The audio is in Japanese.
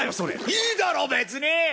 いいだろ別に！